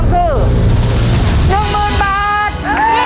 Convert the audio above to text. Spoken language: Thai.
ไม่ออกไป